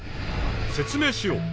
説明しよう。